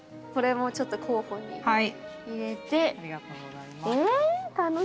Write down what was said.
これもちょっと候補に入れて。